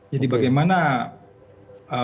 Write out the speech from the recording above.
jadi bagaimana bisa diawasannya